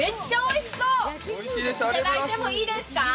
いただいてもいいですか。